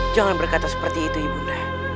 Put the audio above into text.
jangan berkata seperti itu ibu nda